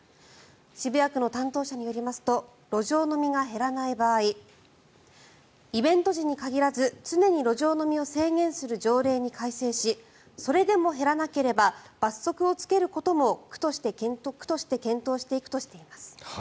渋谷区の担当者によりますと路上飲みが減らない場合イベント時に限らず常に路上飲みを制限する条例に改正しそれでも減らなければ罰則をつけることも区として検討していくとしています。